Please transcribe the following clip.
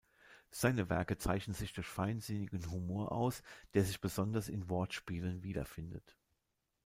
Seine Werke zeichnen sich durch feinsinnigen Humor aus, der sich besonders in Wortspielen wiederfindet.